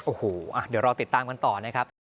โอ้โหเดี๋ยวรอติดตามกันต่อนะครับ